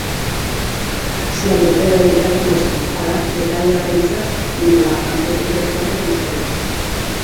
Aisialdirako erabilera du nagusiki, hala getariarrentzat, nola kanpotik etorritako bisitarientzat.